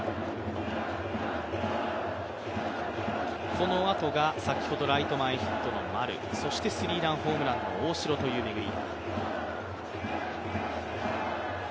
このあとが先ほどライト前ヒットの丸、そしてスリーランホームランの大城という巡り。